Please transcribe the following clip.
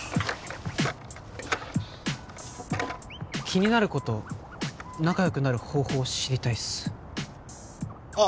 気になる子と仲よくなる方法知りたいっすあ